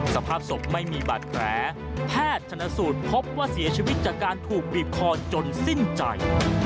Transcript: สภาพศพไม่มีบาดแผลแพทย์ชนสูตรพบว่าเสียชีวิตจากการถูกบีบคอจนสิ้นใจ